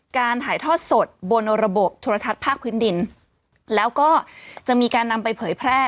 การถ่ายทอดสดบนระบบโทรทัศน์ภาคพื้นดินแล้วก็จะมีการนำไปเผยแพร่